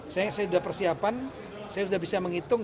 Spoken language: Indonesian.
saya sudah persiapan saya sudah bisa menghitung